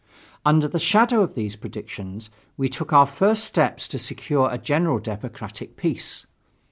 Under the shadow of these predictions we took our first steps to secure a general democratic peace.